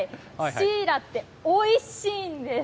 シイラっておいしいんです。